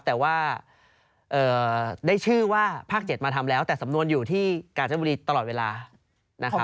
แต่ว่าได้ชื่อว่าภาค๗มาทำแล้วแต่สำนวนอยู่ที่กาญจนบุรีตลอดเวลานะครับ